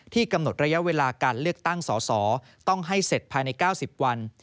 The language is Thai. กำหนดระยะเวลาการเลือกตั้งสอสอต้องให้เสร็จภายใน๙๐วัน